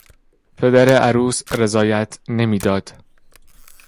پدر عروس رضایت نمیداد.